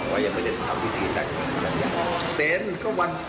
ว่าอย่าไปเรียนทำพิธีแต่อย่างนั้นอย่างนั้นอย่างนั้น